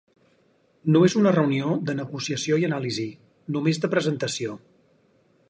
No és una reunió de negociació i anàlisi, només de presentació.